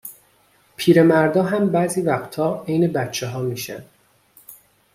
پیرمردا هم بعضی وقتا عین بچه ها می شن